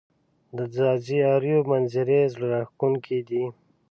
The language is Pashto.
د ځاځي اریوب منظزرې زړه راښکونکې دي